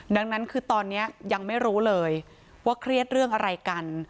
ดังนั้นคือตอนนี้ยังไม่รู้เลยว่าเครียดเรื่องอะไรกัน